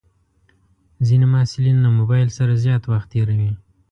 ځینې محصلین له موبایل سره زیات وخت تېروي.